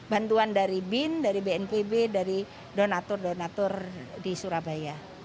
bantuan dari bin dari bnpb dari donatur donatur di surabaya